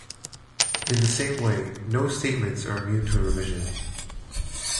In the same way, no statements are immune to revision.